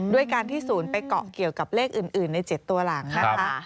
ด้วยการที่ศูนย์ไปเกาะเกี่ยวกับเลขอื่นใน๗ตัวหลังนะคะ